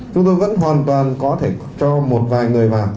chúng tôi vẫn hoàn toàn có thể cho một vài người vào